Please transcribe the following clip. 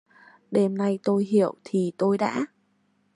Đêm nay tôi hiểu thì tôi đã